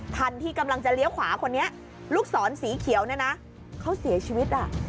คันที่กำลังจะเลี้ยวขวาคนนี้ลูกศรสีเขียวเนี่ยนะเขาเสียชีวิตอ่ะ